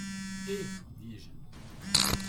Hé ! dis-je.